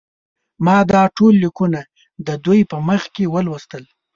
ما دا ټول لیکونه د دوی په مخ کې ولوستل.